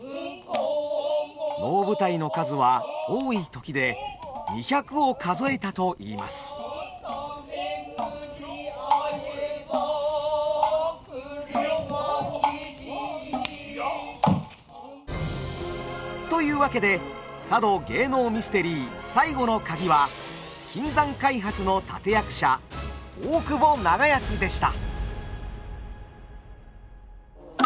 能舞台の数は多い時で２００を数えたといいます。というわけで佐渡芸能ミステリー最後のカギは金山開発の立て役者大久保長安でした。